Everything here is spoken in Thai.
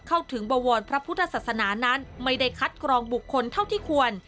เข้าถึงบวรพระพุทธศาสนานั้นไม่ได้คัดกรองบุคคลเท่าที่ควร